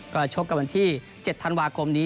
ก็ชกกับวันที่๗ธันวาคมนี้